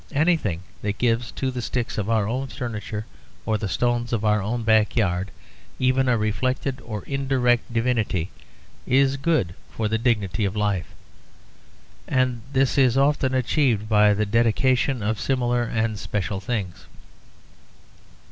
Anything that gives to the sticks of our own furniture, or the stones of our own backyard, even a reflected or indirect divinity is good for the dignity of life; and this is often achieved by the dedication of similar and special things.